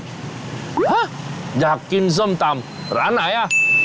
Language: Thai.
ฮะอยากกินส้มตำร้านไหนอ่ะ